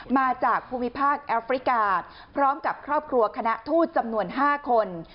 มาจากภูมิภาคแอฟริกาพร้อมกับครอบครัวคณะทูตจำนวน๕คน